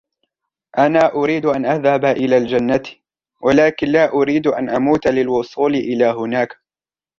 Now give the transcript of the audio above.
أنا أريد أن أذهب إلي الجنة, ولكن لا أريد أن أموت للوصول إلى هناك!